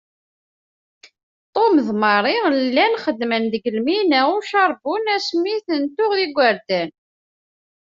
Tom d Marie llan xeddmen deg lmina ucerbun asmi ten-tuɣ d igerdan.